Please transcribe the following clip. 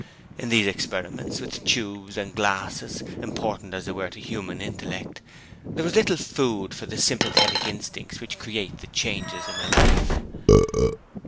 In these experiments with tubes and glasses, important as they were to human intellect, there was little food for the sympathetic instincts which create the changes in a life.